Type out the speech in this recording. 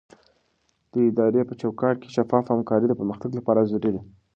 د ادارې په چوکاټ کې شفافه همکاري د پرمختګ لپاره ضروري ده.